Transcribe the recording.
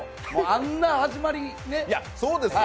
あんな始まり、ね。